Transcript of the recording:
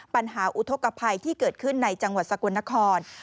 อุทธกภัยที่เกิดขึ้นในจังหวัดสกลนคร